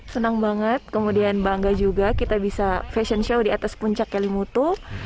senang banget kemudian bangga juga kita bisa fashion show di atas puncak kelimutu